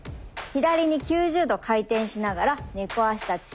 左に９０度回転しながら猫足立ち。